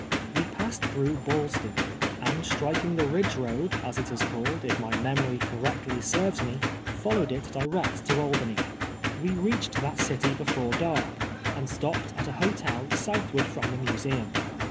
We passed through Ballston, and striking the ridge road, as it is called, if my memory correctly serves TEXTRILOQUISM AND LEGERDEMAIN, 31 me, followed it direct to Albany. TVe reached that citv before dark, and sti)pped at a hotel southward from the Museum.